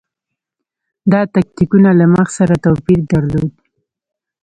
دا تکتیکونه له مغز سره توپیر درلود.